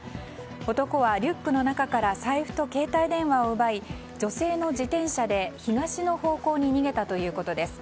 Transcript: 男はリュックの中から財布と携帯電話を奪い女性の自転車で東の方向に逃げたということです。